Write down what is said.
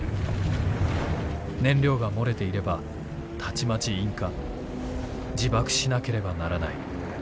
燃料が漏れていればたちまち引火自爆しなければならない。